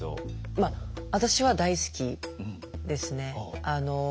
まあ私は大好きですね。